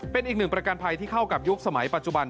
เป็นอีกหนึ่งประกันภัยที่เข้ากับยุคสมัยปัจจุบัน